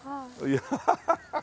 ハハハハ！